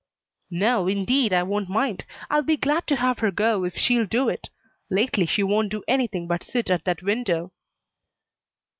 "No, indeed, I won't mind. I'll be glad to have her go if she'll do it. Lately she won't do anything but sit at that window."